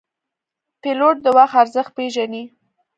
پیلوټ د وخت ارزښت پېژني.